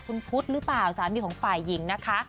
คุณพุทธหรือเปล่าสามีของฝ่ายหญิงนะคะ